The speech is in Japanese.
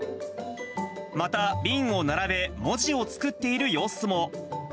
また、瓶を並べ文字を作っている様子も。